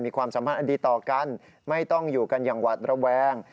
ความสัมพันธ์อันดีต่อกันไม่ต้องอยู่กันอย่างหวัดระแวง